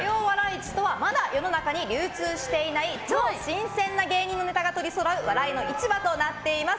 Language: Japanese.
市とはまだ世の中に流通していない超新鮮な芸人のネタが取りそろう笑いの市場となっています。